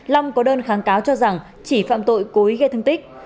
long có đơn kháng cáo cho rằng chỉ phạm tội cố ý gây thương tích